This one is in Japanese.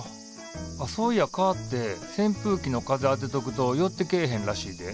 そういやかってせんぷうきの風当てとくと寄ってけえへんらしいで。